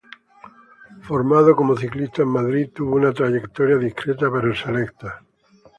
Formado como ciclista en Madrid, tuvo una trayectoria discreta, pero selecta.